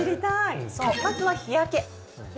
まずは日焼け。